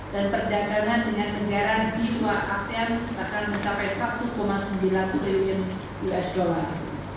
dan perdagangan dengan negara di luar asean akan mencapai satu sembilan triliun dolar